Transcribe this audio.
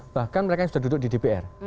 bahkan mereka yang sudah duduk di dpr